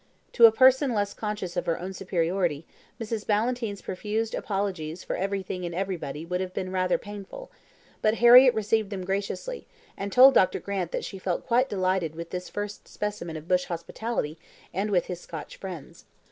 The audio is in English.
To a person less conscious of her own superiority, Mrs. Ballantyne's profuse apologies for everything and everybody would have been rather painful; but Harriett received them graciously, and told Dr. Grant that she felt quite delighted with this first specimen of bush hospitality, and with his Scotch friends.